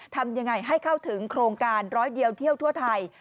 ทำยังไงให้เข้าถึงโครงการร้อยเดียวเที่ยวทั่วไทย